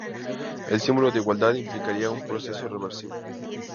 El símbolo de igualdad implicaría un proceso reversible.